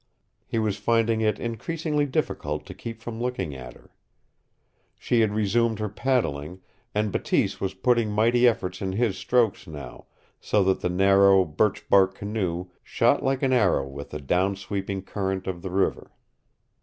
He was finding it increasingly difficult to keep from looking at her. She had resumed her paddling, and Bateese was putting mighty efforts in his strokes now, so that the narrow, birchbark canoe shot like an arrow with the down sweeping current of the river.